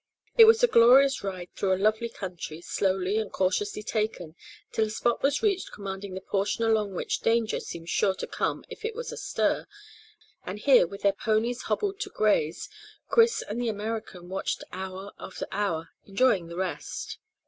It was a glorious ride through a lovely country, slowly and cautiously taken, till a spot was reached commanding the portion along which danger seemed sure to come if it was astir, and here, with their ponies hobbled to graze, Chris and the American watched hour after hour, enjoying the rest.